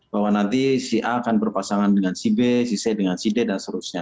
bahwa nanti si a akan berpasangan dengan si b si c dengan si d dan seterusnya